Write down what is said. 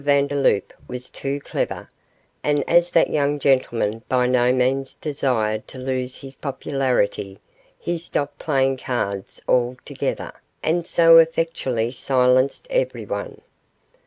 Vandeloup was too clever, and as that young gentleman by no means desired to lose his popularity he stopped playing cards altogether, and so effectually silenced everyone.